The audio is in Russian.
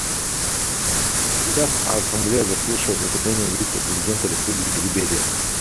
Сейчас Ассамблея заслушает выступление вице-президента Республики Либерия.